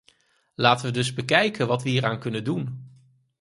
Laten we dus bekijken wat we hieraan kunnen doen.